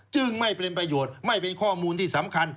จึงไม่เป็นประโยชน์ไม่เป็นข้อมูลที่สำคัญ